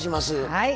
はい。